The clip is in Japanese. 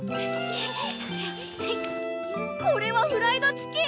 これはフライドチキン！